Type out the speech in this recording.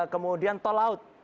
kemudian tol laut